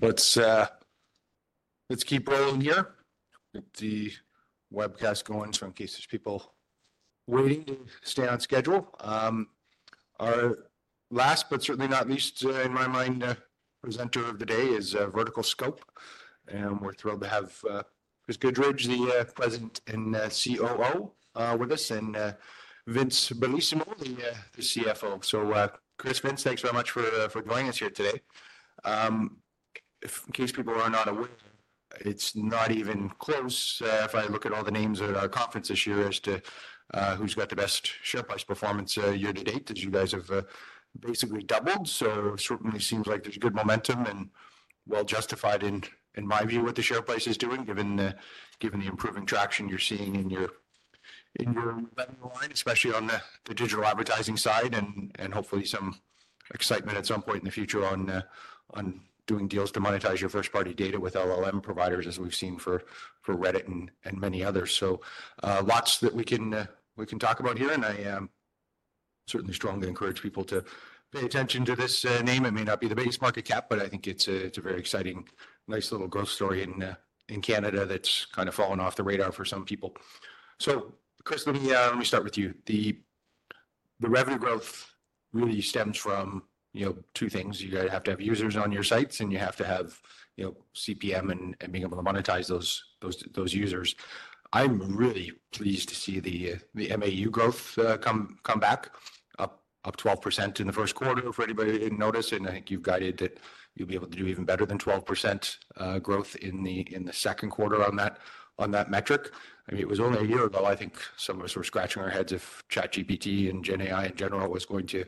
All right, let's keep rolling here. Get the webcast going, so in case there's people waiting, stay on schedule. Our last but certainly not least, in my mind, presenter of the day is VerticalScope. And we're thrilled to have Chris Goodridge, the President and COO with us, and Vince Bellissimo, the CFO. So, Chris, Vince, thanks very much for joining us here today. If in case people are not aware, it's not even close, if I look at all the names at our conference this year as to who's got the best share price performance, year to date, as you guys have basically doubled. So certainly seems like there's good momentum and well justified, in my view, what the share price is doing, given the improving traction you're seeing in your revenue line, especially on the digital advertising side, and hopefully some excitement at some point in the future on doing deals to monetize your first-party data with LLM providers, as we've seen for Reddit and many others. So, lots that we can talk about here, and I certainly strongly encourage people to pay attention to this name. It may not be the biggest market cap, but I think it's a very exciting, nice little growth story in Canada that's kind of fallen off the radar for some people. So, Chris, let me start with you. The revenue growth really stems from, you know, two things. You've got to have users on your sites, and you have to have, you know, CPM and being able to monetize those users. I'm really pleased to see the MAU growth come back up 12% in the first quarter for anybody who didn't notice, and I think you've guided that you'll be able to do even better than 12% growth in the second quarter on that metric. I mean, it was only a year ago, I think some of us were scratching our heads if ChatGPT and GenAI in general was going to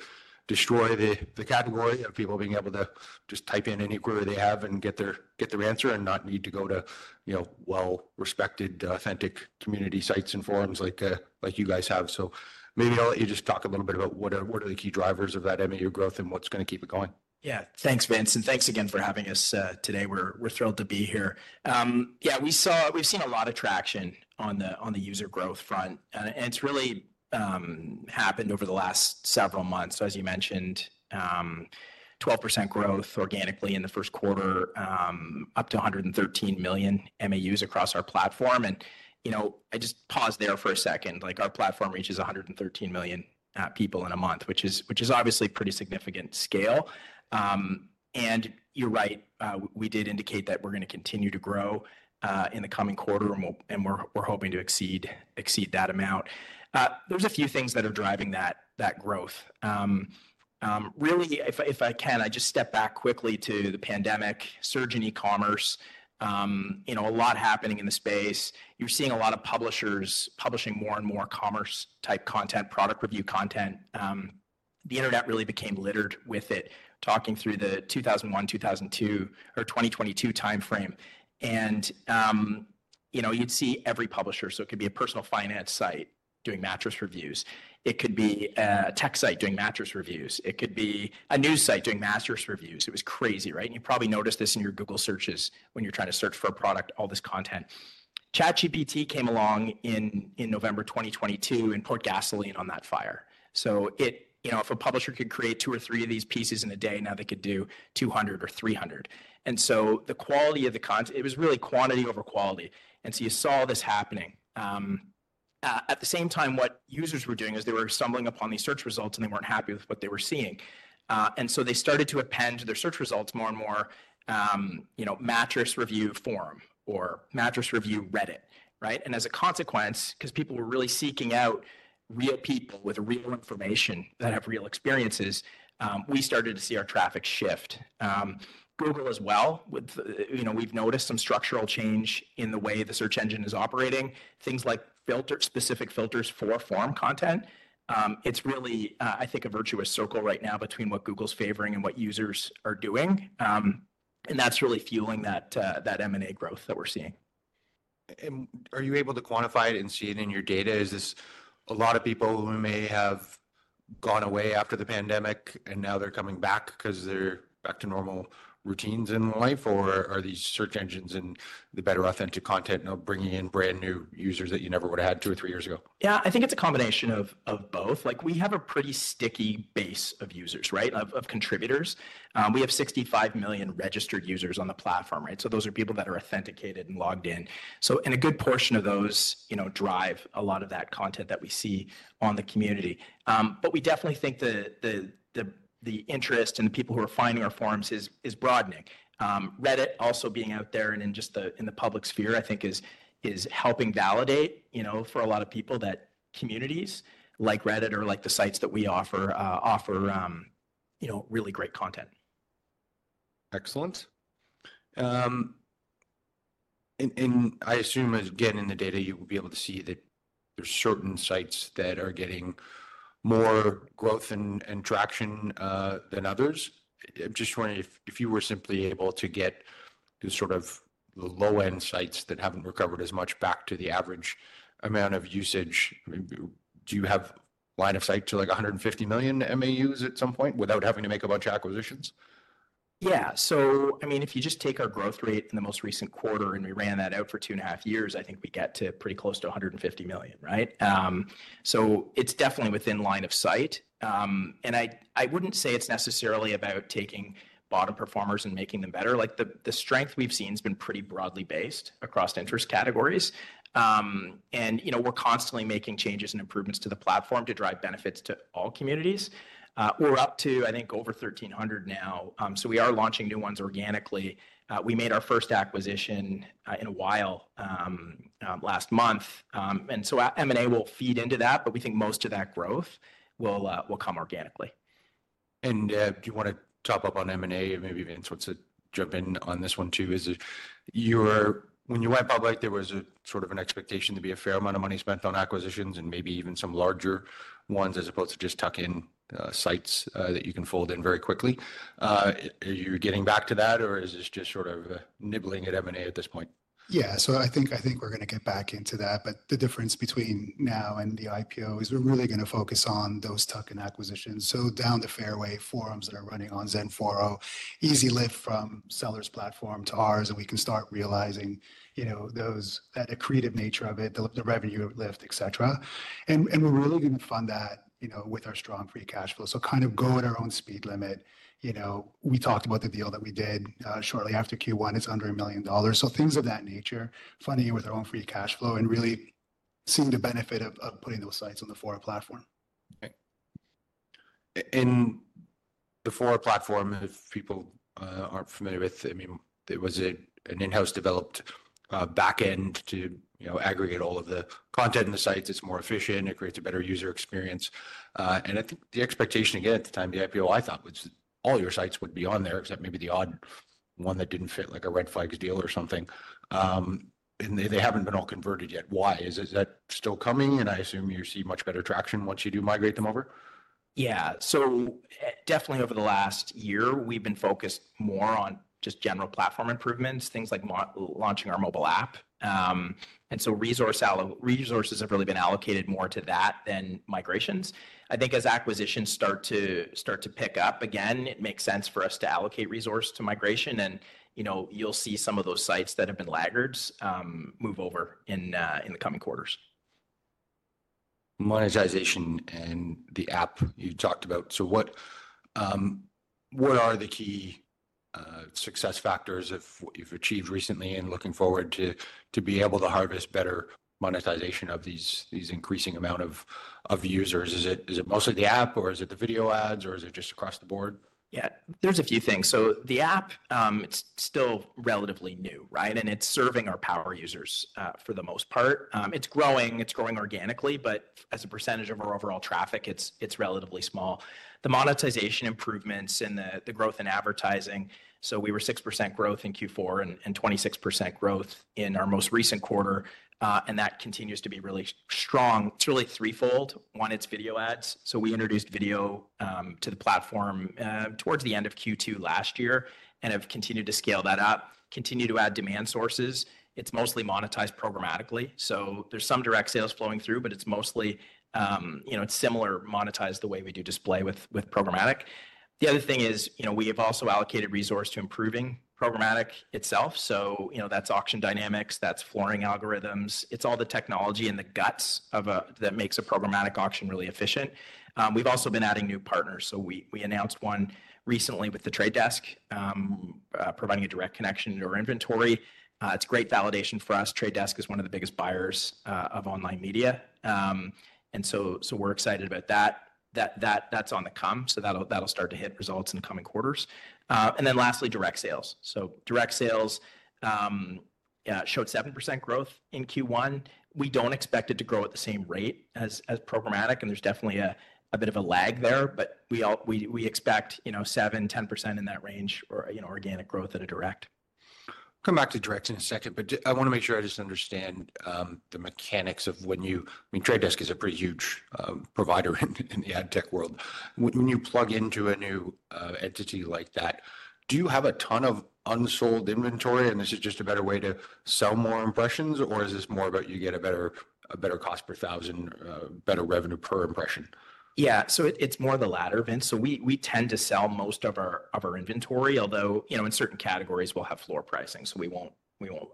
destroy the category of people being able to just type in any query they have and get their answer, and not need to go to, you know, well-respected, authentic community sites and forums like, like you guys have. So maybe I'll let you just talk a little bit about what are the key drivers of that MAU growth and what's going to keep it going? Yeah. Thanks, Vince, and thanks again for having us, today. We're thrilled to be here. Yeah, we've seen a lot of traction on the user growth front, and it's really happened over the last several months. So, as you mentioned, 12% growth organically in the first quarter, up to 113 million MAUs across our platform. And, you know, I just paused there for a second. Like, our platform reaches 113 million people in a month, which is obviously a pretty significant scale. And you're right, we did indicate that we're going to continue to grow in the coming quarter, and we're hoping to exceed that amount. There's a few things that are driving that growth. Really, if I can, I just step back quickly to the pandemic, surge in e-commerce, you know, a lot happening in the space. You're seeing a lot of publishers publishing more and more commerce-type content, product review content. The internet really became littered with it, talking through the 2001, 2002, or 2022 timeframe. And, you know, you'd see every publisher. So it could be a personal finance site doing mattress reviews. It could be a tech site doing mattress reviews. It could be a news site doing mattress reviews. It was crazy, right? And you probably noticed this in your Google searches when you're trying to search for a product, all this content. ChatGPT came along in November 2022, and poured gasoline on that fire. So it... You know, if a publisher could create 2 or 3 of these pieces in a day, now they could do 200 or 300. And so the quality of the content, it was really quantity over quality, and so you saw this happening. At the same time, what users were doing is they were stumbling upon these search results, and they weren't happy with what they were seeing. And so they started to append their search results more and more, you know, "mattress review forum" or "mattress review Reddit," right? And as a consequence, 'cause people were really seeking out real people with real information that have real experiences, we started to see our traffic shift. Google as well, with, you know, we've noticed some structural change in the way the search engine is operating, things like filter-specific filters for forum content. It's really, I think, a virtuous circle right now between what Google's favoring and what users are doing. And that's really fueling that, that MAU growth that we're seeing. Are you able to quantify it and see it in your data? Is this a lot of people who may have gone away after the pandemic, and now they're coming back 'cause they're back to normal routines in life? Or are these search engines and the better authentic content now bringing in brand-new users that you never would've had two or three years ago? Yeah, I think it's a combination of both. Like, we have a pretty sticky base of users, right? Of contributors. We have 65 million registered users on the platform, right? So those are people that are authenticated and logged in. So and a good portion of those, you know, drive a lot of that content that we see on the community. But we definitely think the interest and the people who are finding our forums is broadening. Reddit also being out there and in just the public sphere, I think is helping validate, you know, for a lot of people, that communities like Reddit or like the sites that we offer offer, you know, really great content. Excellent. And I assume, again, in the data, you will be able to see that there's certain sites that are getting more growth and traction than others. I'm just wondering if you were simply able to get the sort of the low-end sites that haven't recovered as much back to the average amount of usage, I mean, do you have line of sight to, like, 150 million MAUs at some point without having to make a bunch of acquisitions? ... Yeah. So, I mean, if you just take our growth rate in the most recent quarter, and we ran that out for 2.5 years, I think we get to pretty close to $150 million, right? So it's definitely within line of sight. And I wouldn't say it's necessarily about taking bottom performers and making them better. Like, the strength we've seen has been pretty broadly based across interest categories. And, you know, we're constantly making changes and improvements to the platform to drive benefits to all communities. We're up to, I think, over 1,300 now. So we are launching new ones organically. We made our first acquisition in a while last month. And so our M&A will feed into that, but we think most of that growth will come organically. Do you want to top up on M&A? And maybe Vince wants to jump in on this one, too. Is it—you're—when you went public, there was a sort of an expectation to be a fair amount of money spent on acquisitions and maybe even some larger ones, as opposed to just tuck-in sites that you can fold in very quickly. Are you getting back to that, or is this just sort of nibbling at M&A at this point? Yeah. So I think, I think we're gonna get back into that, but the difference between now and the IPO is we're really gonna focus on those tuck-in acquisitions. So down the fairway, forums that are running on XenForo, easy lift from sellers platform to ours, and we can start realizing, you know, those, the accretive nature of it, the, the revenue lift, et cetera. And, and we're really gonna fund that, you know, with our strong free cash flow. So kind of go at our own speed limit. You know, we talked about the deal that we did, shortly after Q1. It's under $1 million. So things of that nature, funding it with our own free cash flow and really seeing the benefit of, of putting those sites on the Fora platform. Okay. And the Fora platform, if people aren't familiar with, I mean, it was an in-house developed, back end to, you know, aggregate all of the content in the sites. It's more efficient. It creates a better user experience. And I think the expectation, again, at the time of the IPO, I thought was all your sites would be on there, except maybe the odd one that didn't fit, like a RedFlagDeals or something. And they, they haven't been all converted yet. Why? Is it that still coming? And I assume you see much better traction once you do migrate them over. Yeah. So, definitely over the last year, we've been focused more on just general platform improvements, things like launching our mobile app. And so resources have really been allocated more to that than migrations. I think as acquisitions start to, start to pick up again, it makes sense for us to allocate resource to migration. And, you know, you'll see some of those sites that have been laggards, move over in, in the coming quarters. Monetization and the app you talked about. So what are the key success factors of what you've achieved recently and looking forward to be able to harvest better monetization of these increasing amount of users? Is it mostly the app, or is it the video ads, or is it just across the board? Yeah, there's a few things. So the app, it's still relatively new, right? And it's serving our power users, for the most part. It's growing, it's growing organically, but as a percentage of our overall traffic, it's, it's relatively small. The monetization improvements and the, the growth in advertising, so we were 6% growth in Q4 and, and 26% growth in our most recent quarter, and that continues to be really strong. It's really threefold. One, it's video ads. So we introduced video to the platform towards the end of Q2 last year and have continued to scale that up, continue to add demand sources. It's mostly monetized programmatically, so there's some direct sales flowing through, but it's mostly, you know, it's similar, monetized the way we do display with, with programmatic. The other thing is, you know, we have also allocated resource to improving programmatic itself. So, you know, that's auction dynamics, that's flooring algorithms. It's all the technology and the guts of a... that makes a programmatic auction really efficient. We've also been adding new partners, so we announced one recently with The Trade Desk, providing a direct connection to our inventory. It's great validation for us. Trade Desk is one of the biggest buyers of online media. And so we're excited about that. That's on the come, so that'll start to hit results in the coming quarters. And then lastly, direct sales. So direct sales showed 7% growth in Q1. We don't expect it to grow at the same rate as programmatic, and there's definitely a bit of a lag there, but we expect, you know, 7%-10% in that range, or, you know, organic growth at a direct. Come back to direct in a second, but I want to make sure I just understand the mechanics of when you—I mean, Trade Desk is a pretty huge provider in the ad tech world. When you plug into a new entity like that, do you have a ton of unsold inventory, and this is just a better way to sell more impressions, or is this more about you get a better, a better cost per thousand, better revenue per impression? Yeah, so it's more the latter, Vince. So we tend to sell most of our inventory, although, you know, in certain categories, we'll have floor pricing, so we won't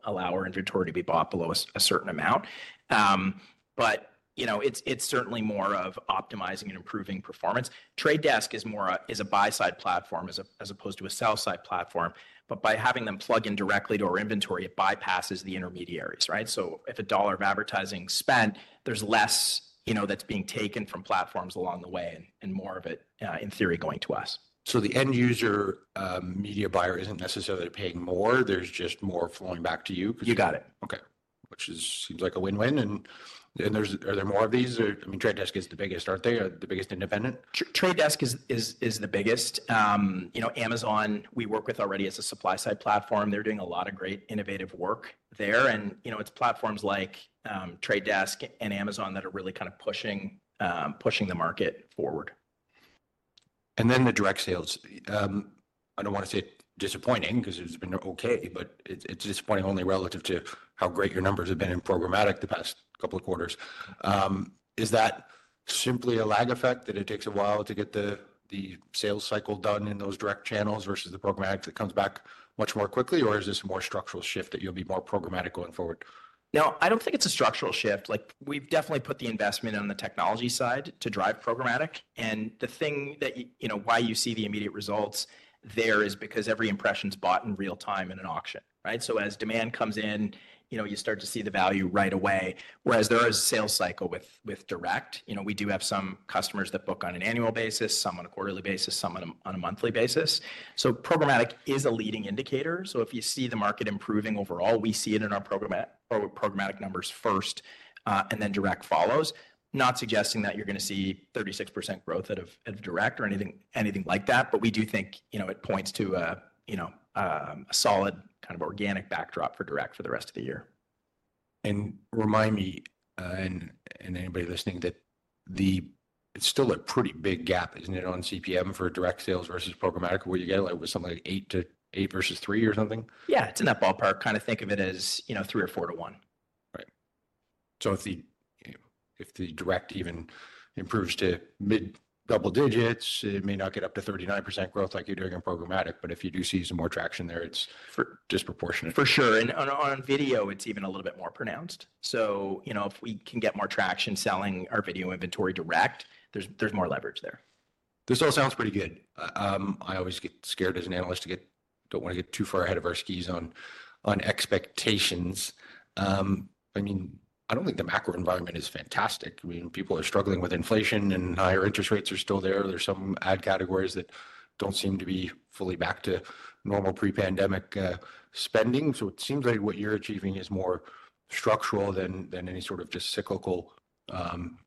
allow our inventory to be bought below a certain amount. But, you know, it's certainly more of optimizing and improving performance. Trade Desk is more a buy-side platform as opposed to a sell-side platform, but by having them plug in directly to our inventory, it bypasses the intermediaries, right? So if $1 of advertising is spent, there's less, you know, that's being taken from platforms along the way and more of it, in theory, going to us. The end user, media buyer isn't necessarily paying more, there's just more flowing back to you? You got it. Okay, which is, seems like a win-win. And there's... Are there more of these? I mean, Trade Desk is the biggest, aren't they, the biggest independent? The Trade Desk is the biggest. You know, Amazon, we work with already as a supply-side platform. They're doing a lot of great innovative work there. And, you know, it's platforms like Trade Desk and Amazon that are really kind of pushing the market forward.... And then the direct sales. I don't wanna say disappointing, 'cause it's been okay, but it's, it's disappointing only relative to how great your numbers have been in programmatic the past couple of quarters. Is that simply a lag effect, that it takes a while to get the, the sales cycle done in those direct channels versus the programmatic that comes back much more quickly? Or is this a more structural shift, that you'll be more programmatic going forward? No, I don't think it's a structural shift. Like, we've definitely put the investment on the technology side to drive programmatic, and the thing that you know, why you see the immediate results there is because every impression's bought in real time in an auction, right? So as demand comes in, you know, you start to see the value right away, whereas there is a sales cycle with direct. You know, we do have some customers that book on an annual basis, some on a quarterly basis, some on a monthly basis. So programmatic is a leading indicator. So if you see the market improving overall, we see it in our programmatic numbers first, and then direct follows. Not suggesting that you're gonna see 36% growth out of direct or anything like that, but we do think, you know, it points to a, you know, a solid kind of organic backdrop for direct for the rest of the year. Remind me, and anybody listening, that it's still a pretty big gap, isn't it, on CPM for direct sales versus programmatic, where you get, like, with something like $8-$8 versus $3 or something? Yeah, it's in that ballpark. Kind of think of it as, you know, 3 or 4 to 1. Right. So if the direct even improves to mid-double digits, it may not get up to 39% growth like you're doing in programmatic, but if you do see some more traction there, it's for- disproportionate. For sure. And on video, it's even a little bit more pronounced. So, you know, if we can get more traction selling our video inventory direct, there's more leverage there. This all sounds pretty good. I always get scared as an analyst, don't wanna get too far ahead of our skis on expectations. I mean, I don't think the macro environment is fantastic. I mean, people are struggling with inflation, and higher interest rates are still there. There's some ad categories that don't seem to be fully back to normal pre-pandemic spending. So it seems like what you're achieving is more structural than any sort of just cyclical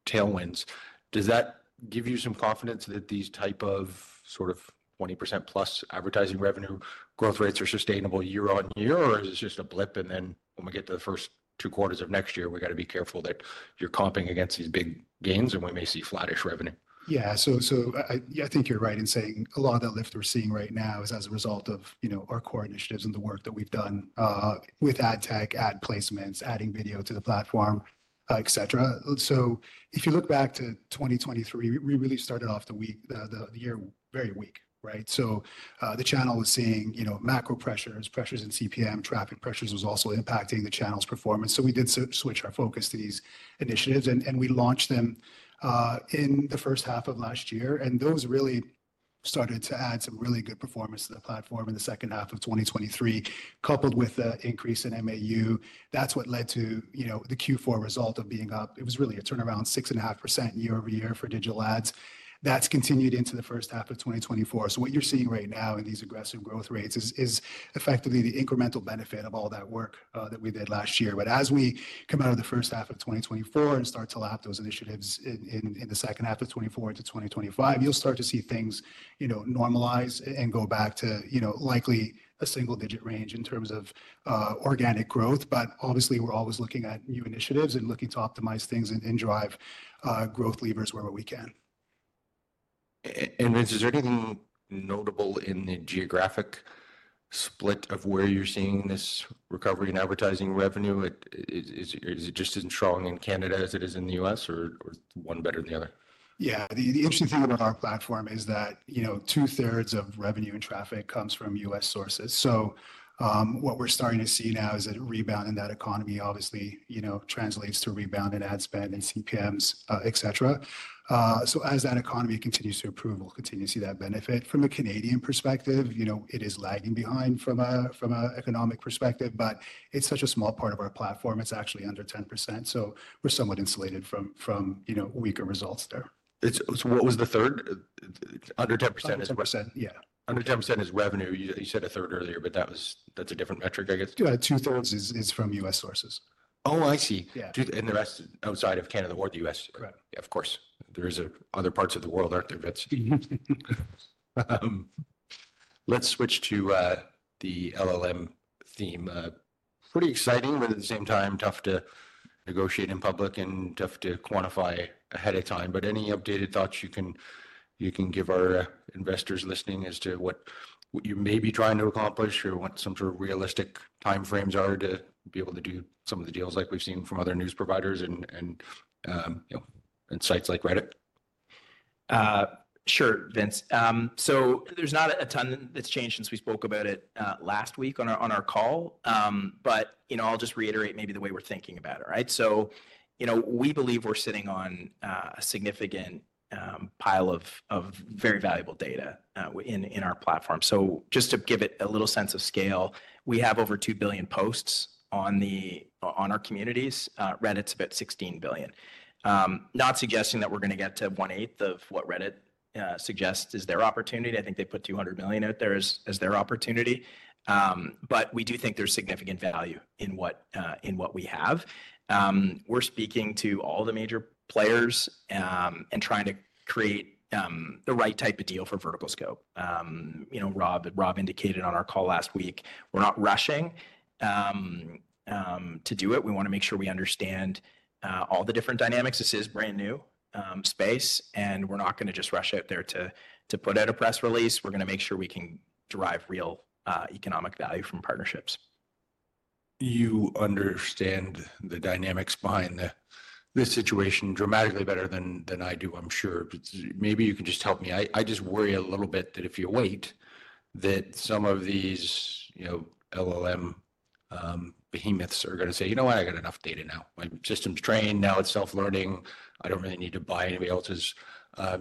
tailwinds. Does that give you some confidence that these type of sort of 20%+ advertising revenue growth rates are sustainable year-on-year, or is this just a blip, and then when we get to the first two quarters of next year, we've gotta be careful that you're comping against these big gains, and we may see flattish revenue? Yeah, so, so I, I, yeah, I think you're right in saying a lot of that lift we're seeing right now is as a result of, you know, our core initiatives and the work that we've done, with ad tech, ad placements, adding video to the platform, et cetera. So if you look back to 2023, we really started off the year very weak, right? So, the channel was seeing, you know, macro pressures, pressures in CPM, traffic pressures was also impacting the channel's performance. So we did switch our focus to these initiatives, and we launched them in the first half of last year, and those really started to add some really good performance to the platform in the second half of 2023. Coupled with the increase in MAU, that's what led to, you know, the Q4 result of being up. It was really a turnaround, 6.5% year-over-year for digital ads. That's continued into the first half of 2024. So what you're seeing right now in these aggressive growth rates is effectively the incremental benefit of all that work that we did last year. But as we come out of the first half of 2024 and start to lap those initiatives in the second half of 2024 into 2025, you'll start to see things, you know, normalize and go back to, you know, likely a single-digit range in terms of organic growth. But obviously, we're always looking at new initiatives and looking to optimize things and drive growth levers where we can. And Vince, is there anything notable in the geographic split of where you're seeing this recovery in advertising revenue? Is it just as strong in Canada as it is in the U.S., or one better than the other? Yeah. The interesting thing about our platform is that, you know, two-thirds of revenue and traffic comes from U.S. sources. So, what we're starting to see now is a rebound in that economy, obviously, you know, translates to rebound in ad spend and CPMs, et cetera. So as that economy continues to improve, we'll continue to see that benefit. From a Canadian perspective, you know, it is lagging behind from an economic perspective, but it's such a small part of our platform. It's actually under 10%, so we're somewhat insulated from, you know, weaker results there. So what was the third? Under 10%. Under 10%, yeah. Under 10% is revenue. You, you said a third earlier, but that was, that's a different metric, I guess. Two-thirds is from U.S. sources. Oh, I see. Yeah. The rest is outside of Canada or the U.S. Correct. Yeah, of course. There is other parts of the world, aren't there, Vince? Let's switch to the LLM theme. Pretty exciting, but at the same time, tough to negotiate in public and tough to quantify ahead of time. But any updated thoughts you can give our investors listening as to what you may be trying to accomplish or what some sort of realistic timeframes are to be able to do some of the deals like we've seen from other news providers and, you know, and sites like Reddit? Sure, Vince. So there's not a ton that's changed since we spoke about it last week on our call. But, you know, I'll just reiterate maybe the way we're thinking about it, right? So, you know, we believe we're sitting on a significant pile of very valuable data in our platform. So just to give it a little sense of scale, we have over 2 billion posts on our communities. Reddit's about 16 billion. Not suggesting that we're gonna get to 1/8 of what Reddit suggests is their opportunity. I think they put 200 million out there as their opportunity. But we do think there's significant value in what we have. We're speaking to all the major players, and trying to create the right type of deal for VerticalScope. You know, Rob indicated on our call last week, we're not rushing to do it. We wanna make sure we understand all the different dynamics. This is brand-new space, and we're not gonna just rush out there to put out a press release. We're gonna make sure we can derive real economic value from partnerships. You understand the dynamics behind this situation dramatically better than I do, I'm sure. But maybe you can just help me. I just worry a little bit that if you wait, that some of these, you know, LLM behemoths are gonna say, "You know what? I got enough data now. My system's trained, now it's self-learning. I don't really need to buy anybody else's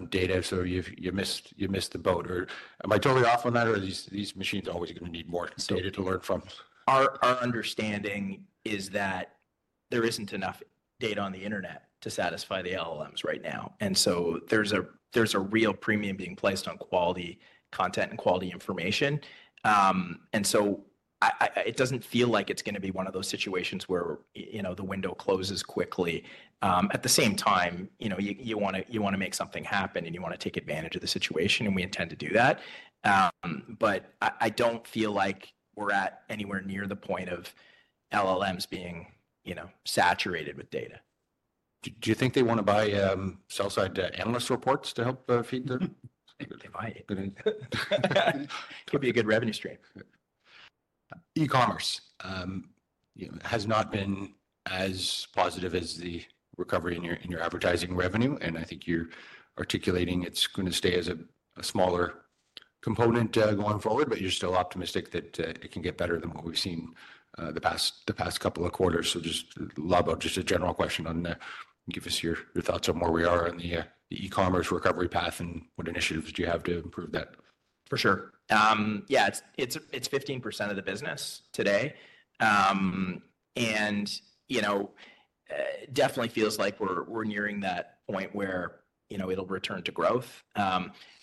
data." So you've missed the boat. Or am I totally off on that, or are these machines always gonna need more data to learn from? Our understanding is that there isn't enough data on the internet to satisfy the LLMs right now, and so there's a real premium being placed on quality content and quality information. And so it doesn't feel like it's gonna be one of those situations where you know, the window closes quickly. At the same time, you know, you wanna make something happen, and you wanna take advantage of the situation, and we intend to do that. But I don't feel like we're at anywhere near the point of LLMs being you know, saturated with data. Do you think they wanna buy sell-side analyst reports to help feed the- They might. It could be a good revenue stream. E-commerce, you know, has not been as positive as the recovery in your, in your advertising revenue, and I think you're articulating it's gonna stay as a, a smaller component, going forward, but you're still optimistic that, it can get better than what we've seen, the past, the past couple of quarters. So just a general question on that. Give us your, your thoughts on where we are in the, the e-commerce recovery path, and what initiatives do you have to improve that? For sure. Yeah, it's 15% of the business today. And, you know, definitely feels like we're nearing that point where, you know, it'll return to growth.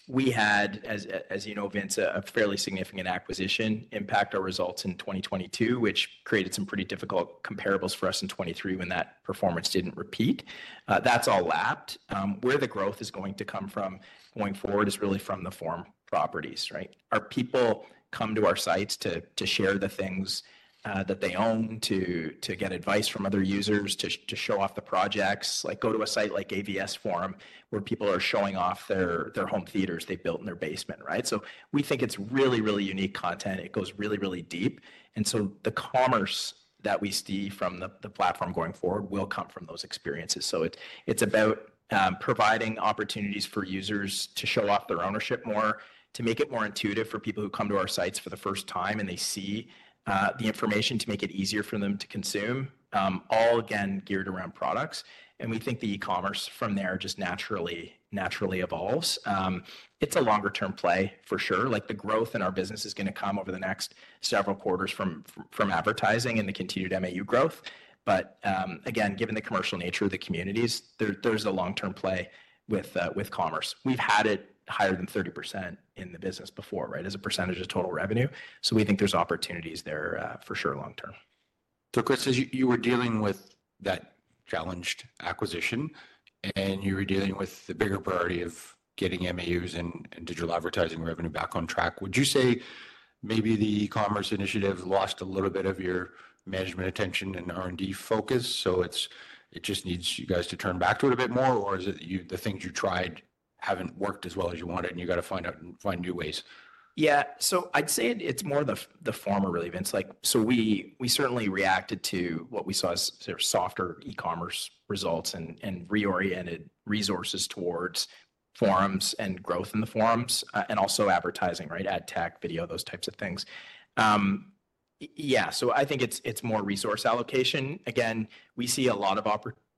We had, as you know, Vince, a fairly significant acquisition impact our results in 2022, which created some pretty difficult comparables for us in 2023 when that performance didn't repeat. That's all lapped. Where the growth is going to come from going forward is really from the forum properties, right? Our people come to our sites to share the things that they own, to get advice from other users, to show off the projects. Like, go to a site like AVS Forum, where people are showing off their home theaters they built in their basement, right? So we think it's really, really unique content. It goes really, really deep, and so the commerce that we see from the platform going forward will come from those experiences. So it's about providing opportunities for users to show off their ownership more, to make it more intuitive for people who come to our sites for the first time, and they see the information to make it easier for them to consume. All again, geared around products, and we think the e-commerce from there just naturally, naturally evolves. It's a longer-term play for sure. Like, the growth in our business is gonna come over the next several quarters from from advertising and the continued MAU growth. But again, given the commercial nature of the communities, there's a long-term play with commerce. We've had it higher than 30% in the business before, right, as a percentage of total revenue, so we think there's opportunities there, for sure long term. So Chris, as you were dealing with that challenged acquisition, and you were dealing with the bigger priority of getting MAUs and digital advertising revenue back on track, would you say maybe the e-commerce initiative lost a little bit of your management attention and R&D focus, so it just needs you guys to turn back to it a bit more? Or is it the things you tried haven't worked as well as you wanted, and you gotta find out and find new ways? Yeah. So I'd say it's more the former, really, Vince. Like, so we, we certainly reacted to what we saw as sort of softer e-commerce results and, and reoriented resources towards forums and growth in the forums, and also advertising, right? Ad tech, video, those types of things. Yeah, so I think it's, it's more resource allocation. Again, we see a lot of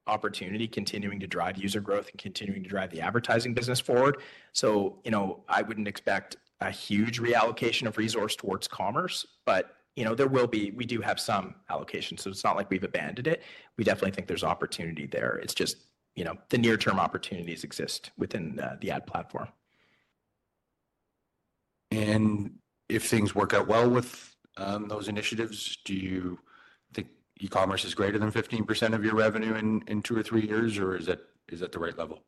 opportunity continuing to drive user growth and continuing to drive the advertising business forward. So, you know, I wouldn't expect a huge reallocation of resource towards commerce, but, you know, there will be... We do have some allocation, so it's not like we've abandoned it. We definitely think there's opportunity there. It's just, you know, the near-term opportunities exist within the ad platform. If things work out well with those initiatives, do you think e-commerce is greater than 15% of your revenue in two or three years, or is that the right level?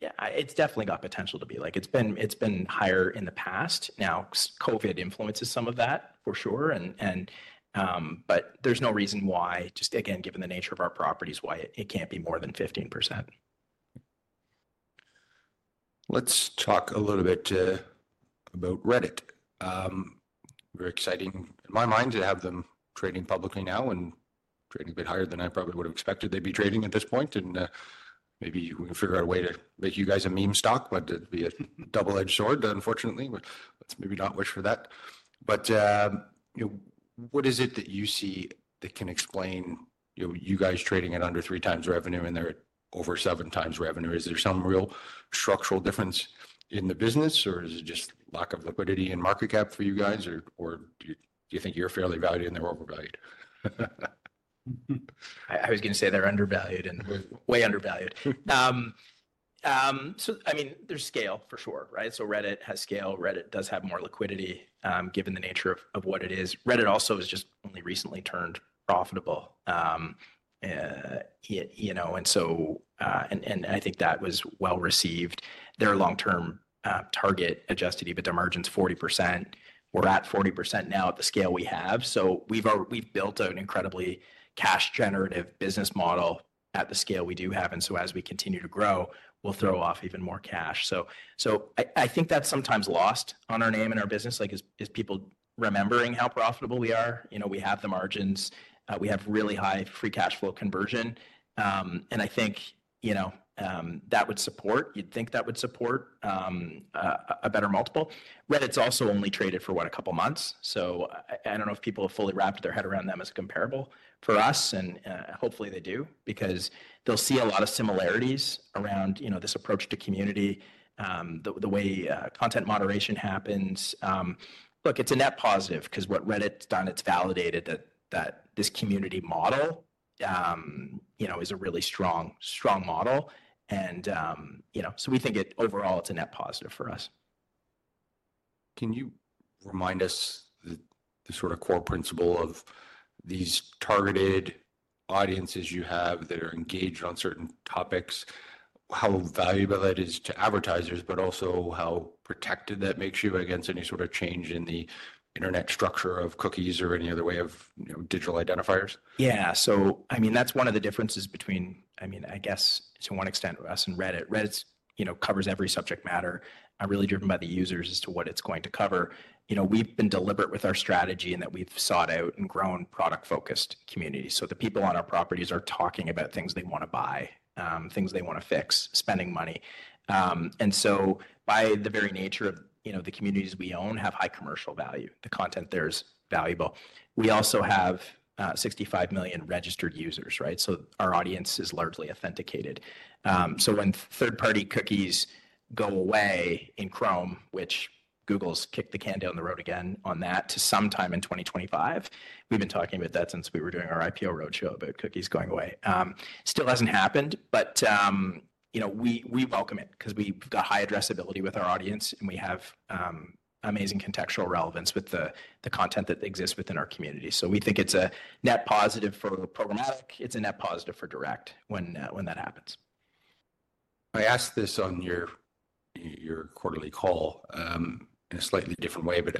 Yeah. It's definitely got potential to be. Like, it's been higher in the past. Now, so COVID influences some of that, for sure, and, but there's no reason why, just again, given the nature of our properties, why it can't be more than 15%. Let's talk a little bit about Reddit. Very exciting in my mind to have them trading publicly now and trading a bit higher than I probably would've expected they'd be trading at this point. And maybe we can figure out a way to make you guys a meme stock, but it'd be a double-edged sword, unfortunately. But let's maybe not wish for that. But you know, what is it that you see that can explain, you know, you guys trading at under 3x revenue and they're at over 7x revenue? Is there some real structural difference in the business, or is it just lack of liquidity and market cap for you guys, or do you think you're fairly valued and they're overvalued? I was gonna say they're undervalued and- Way... way undervalued. So, I mean, there's scale for sure, right? So Reddit has scale. Reddit does have more liquidity, given the nature of, of what it is. Reddit also has just only recently turned profitable, you know, and so, and, and I think that was well-received. Their long-term target adjusted EBITDA margin's 40%. We're at 40% now at the scale we have, so we've built an incredibly cash-generative business model at the scale we do have, and so as we continue to grow, we'll throw off even more cash. So, I think that's sometimes lost on our name and our business, like, is, is people remembering how profitable we are. You know, we have the margins. We have really high free cash flow conversion, and I think, you know, that would support... You'd think that would support a better multiple. Reddit's also only traded for, what, a couple of months? So I don't know if people have fully wrapped their head around them as comparable for us, and hopefully they do because they'll see a lot of similarities around, you know, this approach to community, the way content moderation happens. Look, it's a net positive 'cause what Reddit's done, it's validated that this community model, you know, is a really strong, strong model, and overall, it's a net positive for us. Can you remind us the sort of core principle of these targeted audiences you have that are engaged on certain topics, how valuable that is to advertisers, but also how protected that makes you against any sort of change in the internet structure of cookies or any other way of, you know, digital identifiers? Yeah, so I mean, that's one of the differences between, I mean, I guess to one extent, us and Reddit. Reddit, you know, covers every subject matter and really driven by the users as to what it's going to cover. You know, we've been deliberate with our strategy in that we've sought out and grown product-focused communities. So the people on our properties are talking about things they wanna buy, things they wanna fix, spending money. And so by the very nature of, you know, the communities we own have high commercial value. The content there is valuable. We also have 65 million registered users, right? So our audience is largely authenticated. So when third-party cookies go away in Chrome, which Google's kicked the can down the road again on that to sometime in 2025. We've been talking about that since we were doing our IPO roadshow about cookies going away. Still hasn't happened, but, you know, we welcome it 'cause we've got high addressability with our audience, and we have amazing contextual relevance with the content that exists within our community. So we think it's a net positive for programmatic. It's a net positive for direct when that happens. I asked this on your quarterly call, in a slightly different way, but,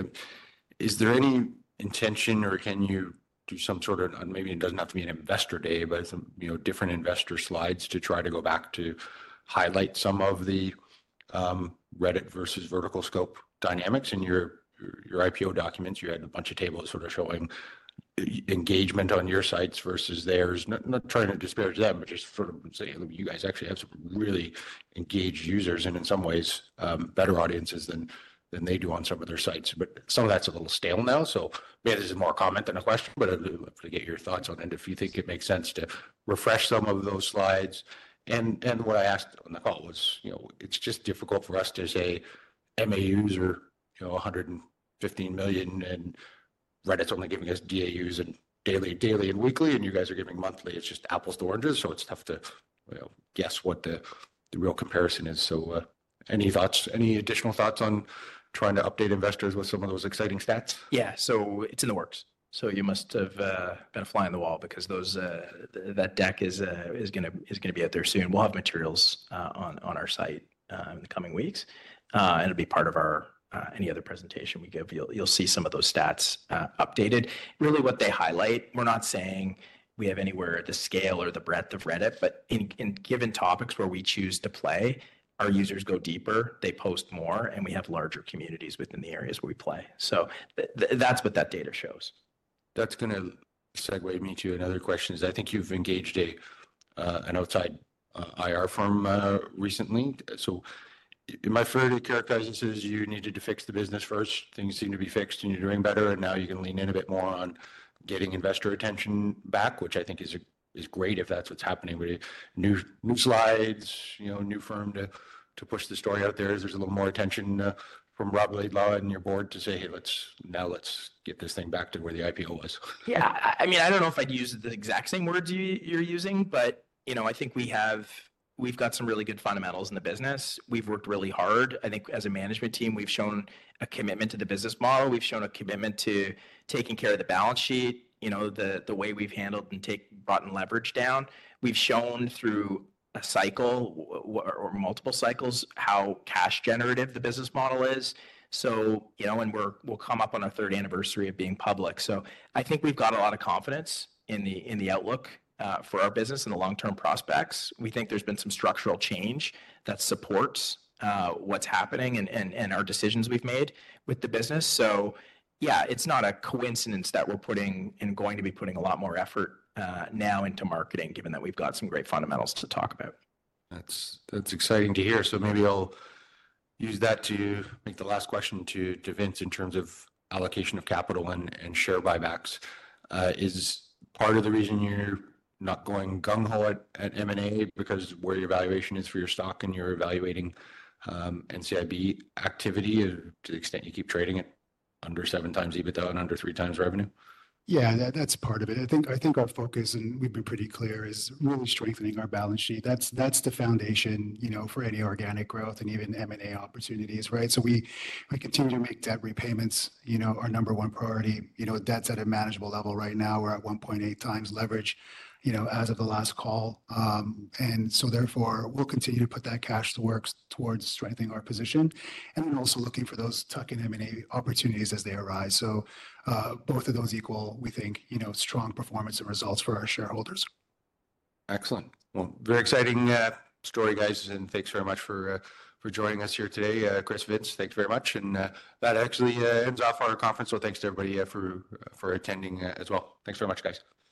is there any intention or can you do some sort of... and maybe it doesn't have to be an investor day, but some, you know, different investor slides to try to go back to highlight some of the, Reddit versus VerticalScope dynamics? In your IPO documents, you had a bunch of tables sort of showing engagement on your sites versus theirs. Not trying to disparage them, but just sort of saying that you guys actually have some really engaged users and, in some ways, better audiences than they do on some of their sites. But some of that's a little stale now, so maybe this is more a comment than a question, but I'd love to get your thoughts on it, if you think it makes sense to refresh some of those slides. And what I asked on the call was, you know, it's just difficult for us to say MAUs are, you know, 115 million, and Reddit's only giving us DAUs in daily and weekly, and you guys are giving monthly. It's just apples to oranges, so it's tough to, well, guess what the real comparison is. So, any thoughts, any additional thoughts on trying to update investors with some of those exciting stats? Yeah. So it's in the works. You must have been a fly on the wall because those, that deck is gonna be out there soon. We'll have materials on our site in the coming weeks, and it'll be part of our any other presentation we give. You'll see some of those stats updated. Really, what they highlight, we're not saying we have anywhere the scale or the breadth of Reddit, but in given topics where we choose to play, our users go deeper, they post more, and we have larger communities within the areas where we play. So that's what that data shows. That's gonna segue me to another question, is I think you've engaged a, an outside, IR firm, recently. So my further characterization is you needed to fix the business first. Things seem to be fixed, and you're doing better, and now you can lean in a bit more on getting investor attention back, which I think is, great if that's what's happening with the new, new slides, you know, a new firm to, push the story out there as there's a little more attention, from Rob Laidlaw and your board to say, "Hey, let's... Now let's get this thing back to where the IPO was. Yeah, I mean, I don't know if I'd use the exact same words you're using, but, you know, I think we've got some really good fundamentals in the business. We've worked really hard. I think, as a management team, we've shown a commitment to the business model. We've shown a commitment to taking care of the balance sheet. You know, the way we've handled and brought leverage down. We've shown through a cycle or multiple cycles, how cash generative the business model is. So, you know, we'll come up on our third anniversary of being public. So I think we've got a lot of confidence in the outlook, for our business and the long-term prospects. We think there's been some structural change that supports what's happening and our decisions we've made with the business. So yeah, it's not a coincidence that we're putting and going to be putting a lot more effort now into marketing, given that we've got some great fundamentals to talk about. That's, that's exciting to hear. So maybe I'll use that to make the last question to Vince in terms of allocation of capital and share buybacks. Is part of the reason you're not going gung-ho at M&A because where your valuation is for your stock, and you're evaluating NCIB activity to the extent you keep trading it under 7x EBITDA and under 3x revenue? Yeah, that, that's part of it. I think, I think our focus, and we've been pretty clear, is really strengthening our balance sheet. That's, that's the foundation, you know, for any organic growth and even M&A opportunities, right? So we, we continue to make debt repayments, you know, our number one priority. You know, debt's at a manageable level right now. We're at 1.8x leverage, you know, as of the last call. And so therefore, we'll continue to put that cash to work towards strengthening our position and then also looking for those tuck-in M&A opportunities as they arise. So, both of those equal, we think, you know, strong performance and results for our shareholders. Excellent. Well, very exciting story, guys, and thanks very much for joining us here today. Chris, Vince, thank you very much, and that actually ends off our conference call. So thanks to everybody for attending as well. Thanks very much, guys.